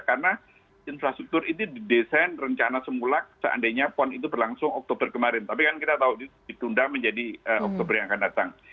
karena infrastruktur ini didesain rencana semula seandainya pon itu berlangsung oktober kemarin tapi kan kita tahu ditunda menjadi oktober yang akan datang